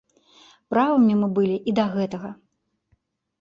Правымі мы былі і да гэтага.